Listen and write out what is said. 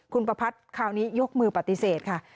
คุณประพัทธ์คราวนี้ยกมือปฏิเสธค่ะ